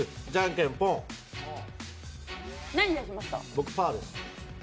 僕、パーです。